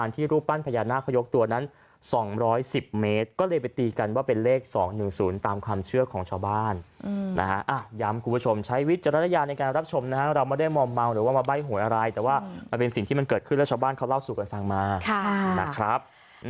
รูปปั้นพญานาคเขายกตัวนั้น๒๑๐เมตรก็เลยไปตีกันว่าเป็นเลข๒๑๐ตามความเชื่อของชาวบ้านนะฮะย้ำคุณผู้ชมใช้วิจารณญาณในการรับชมนะฮะเราไม่ได้มอมเมาหรือว่ามาใบ้หวยอะไรแต่ว่ามันเป็นสิ่งที่มันเกิดขึ้นแล้วชาวบ้านเขาเล่าสู่กันฟังมานะครับ